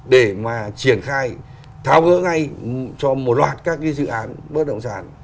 để mà triển khai tháo gỡ ngay cho một loạt các cái dự án bất động sản